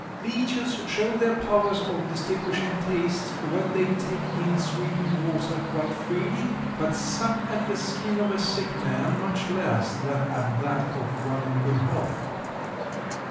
Leeches show their powers of distinguishing tastes when they take in sweetened water quite freely, but suck at the skin of a sick man much less than at that of one in good health.